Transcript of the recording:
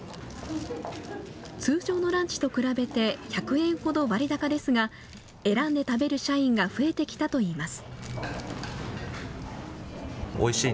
通常のランチと比べて１００円ほど割高ですが選んで食べる社員が増えてきたといいます。